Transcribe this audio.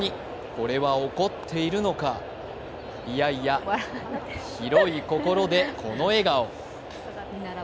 これは怒っているのかいやいや、広い心でこの笑顔。